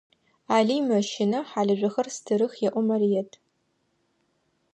Алый мэщынэ, хьалыжъохэр стырых, – elo Марыет.